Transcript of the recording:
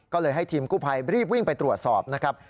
ก็เลยให้ทีมกู้ภัยรีบวิ่งไปตรวจสอบนะครับ